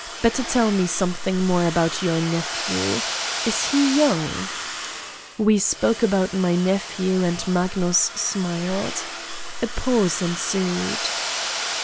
Better tell me some thing more about your nephew. Is he young?" We spoke about my nephew and Magnus smiled. A pause ensued.